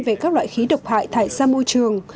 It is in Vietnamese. về các loại khí độc hại thải ra môi trường